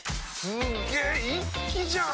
すげ一気じゃん！